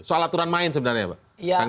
soal aturan main sebenarnya ya pak